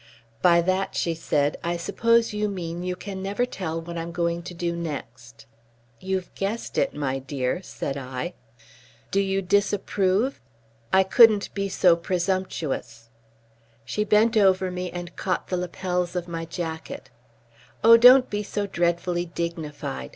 "By that," she said, "I suppose you mean you can never tell what I'm going to do next." "You've guessed it, my dear," said I. "Do you disapprove?" "I couldn't be so presumptuous." She bent over me and caught the lapels of my jacket. "Oh, don't be so dreadfully dignified.